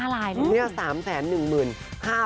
รวมเป็นก็เป็น๔๕ลายอ่ะ